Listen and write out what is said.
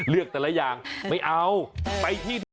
เลือกแต่ละอย่างไม่เอาไปที่นี่